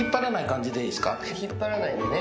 引っ張らないでね。